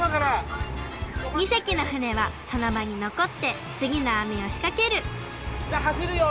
２せきの船はそのばにのこってつぎのあみをしかけるじゃあはしるよ！